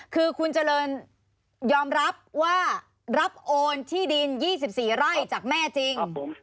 คือคุณเจริญยอมรับว่ารับโอนที่ดิน๒๔ไร่จากแม่จริง